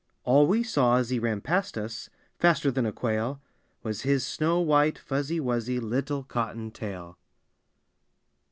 All we saw as he ran past us, Faster than a quail, Was his snow white fuzzy wuzzy Little cotton tail!